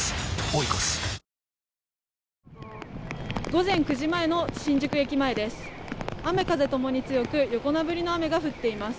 午前９時前の新宿駅前です。